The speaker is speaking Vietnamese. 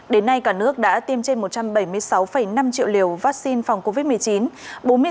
đến nay cả nước đã tiêm trên một trăm bảy mươi sáu năm triệu liều vaccine phòng covid một mươi chín